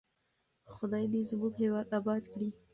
خدای دې زموږ هېواد اباد کړي.